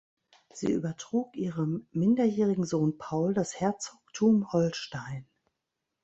Sie übertrug ihrem minderjährigen Sohn Paul das Herzogtum Holstein.